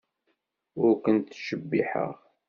Ur kent-ttcebbiḥeɣ.